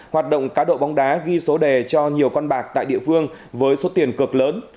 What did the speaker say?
hoạt động cá độ bóng đá ghi số đề cho nhiều con bạc tại địa phương với số tiền cực lớn